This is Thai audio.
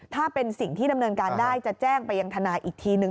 ถ้าเป็นสิ่งที่ดำเนินการได้จะแจ้งไปยังทนายอีกทีหนึ่ง